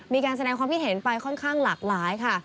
มีการแสดงความคิดเห็นไปค่อนข้างหลากหลายค่ะ